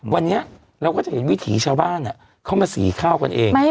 วันนี้เราก็จะเห็นวิถีชาวบ้านเข้ามาสีข้าวกันเอง